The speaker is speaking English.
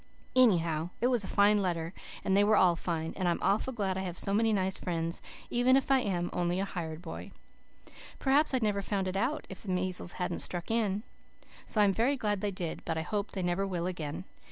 Anyhow, it was a fine letter, and they were all fine, and I'm awful glad I have so many nice friends, even if I am only a hired boy. Perhaps I'd never have found it out if the measles hadn't struck in. So I'm glad they did but I hope they never will again.